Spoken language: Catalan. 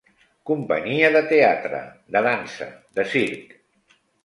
Companyia de teatre, de dansa, de circ.